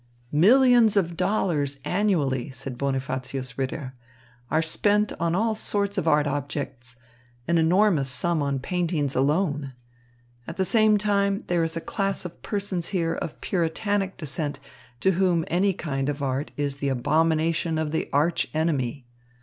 "Millions of dollars annually," said Bonifacius Ritter, "are spent upon all sorts of art objects, an enormous sum on paintings alone. At the same time, there is a class of persons here of Puritanic descent to whom any kind of art is the abomination of the arch enemy.